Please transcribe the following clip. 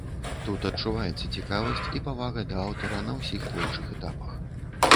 Тут адчуваецца цікавасць і павага да аўтара на ўсіх творчых этапах.